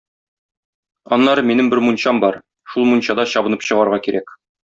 Аннары минем бер мунчам бар, шул мунчада чабынып чыгарга кирәк.